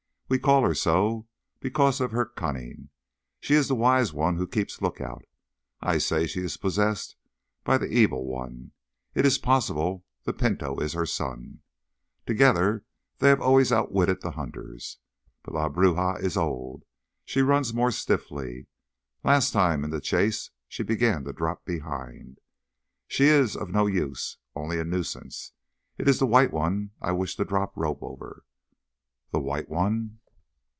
We call her so because of her cunning. She is the wise one who keeps lookout. I say she is possessed by the Evil One. It is possible the Pinto is her son. Together they have always outwitted the hunters. But La Bruja is old—she runs more stiffly. Last time in the chase she began to drop behind. She is of no use, only a nuisance. It is the White One I wish to drop rope over!" "The White One?"